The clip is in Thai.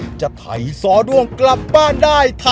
แล้ววันนี้ผมมีสิ่งหนึ่งนะครับเป็นตัวแทนกำลังใจจากผมเล็กน้อยครับ